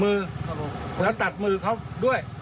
มือแล้วตัดมือเขาด้วย